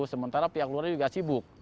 sementara pihak luarnya juga sibuk